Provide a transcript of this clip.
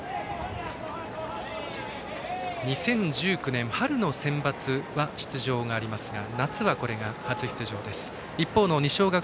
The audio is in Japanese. ２０１９年春のセンバツは出場がありますが夏はこれが初出場の札幌大谷。